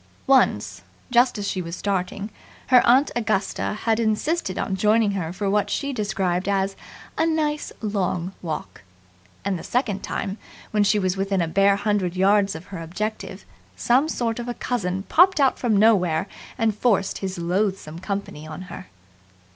Once, just as she was starting, her aunt Augusta had insisted on joining her for what she described as "a nice long walk"; and the second time, when she was within a bare hundred yards of her objective, some sort of a cousin popped out from nowhere and forced his loathsome company on her.